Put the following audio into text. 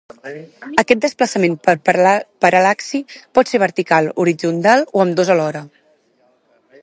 Aquest desplaçament per paral·laxi pot ser vertical, horitzontal o ambdós alhora.